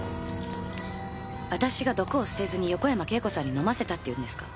私が毒を捨てずに横山慶子さんに飲ませたっていうんですか？